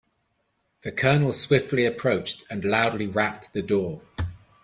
The colonel swiftly approached and loudly rapped the door.